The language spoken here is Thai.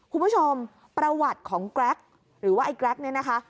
คุณผู้ชมประวัติของแกรกหรือว่าไอ้แกรกเนี่ยนะคะ